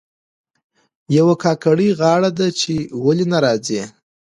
یوه کاکړۍ غاړه ده چې ولې نه راځي.